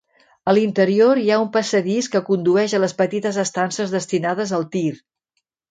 A l'interior hi ha un passadís que condueix a les petites estances destinades al tir.